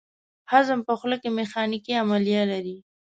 هضم په خوله کې میخانیکي عملیه لري.